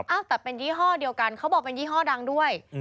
อ้าวแต่เป็นยี่ห้อเดียวกันเขาบอกเป็นยี่ห้อดังด้วย